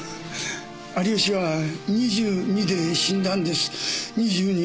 有吉は２２で死んだんです。